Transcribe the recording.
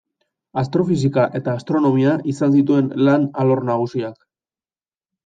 Astrofisika eta astronomia izan zituen lan alor nagusiak.